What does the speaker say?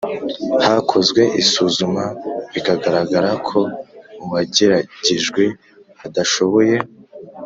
hakozwe isuzuma bikagaragara ko uwageragejwe adashoboye